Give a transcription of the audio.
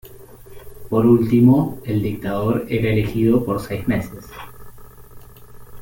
Por último, el Dictador era elegido por seis meses.